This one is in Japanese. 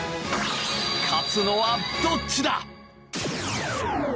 勝つのはどっちだ。